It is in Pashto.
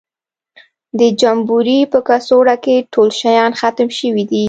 د جمبوري په کڅوړه کې ټول شیان ختم شوي دي.